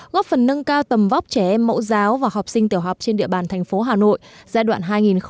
góp phần nâng cao tầm vóc trẻ em mẫu giáo và học sinh tiểu học trên địa bàn thành phố hà nội giai đoạn hai nghìn một mươi chín hai nghìn hai mươi năm